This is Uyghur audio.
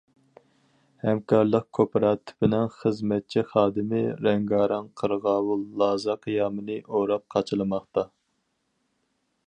ھەمكارلىق كوپىراتىپىنىڭ خىزمەتچى خادىمى رەڭگارەڭ قىرغاۋۇل لازا قىيامىنى ئوراپ قاچىلىماقتا.